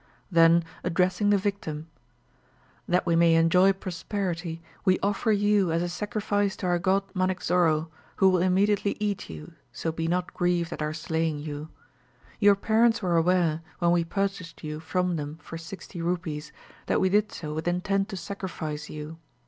Then, addressing the victim, 'That we may enjoy prosperity, we offer you as a sacrifice to our god Manicksoro, who will immediately eat you, so be not grieved at our slaying you. Your parents were aware, when we purchased you from them for sixty rupees, that we did so with intent to sacrifice you.